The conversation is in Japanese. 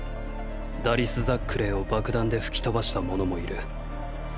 ダリス・ザックレーを爆弾で吹き飛ばした者もいる。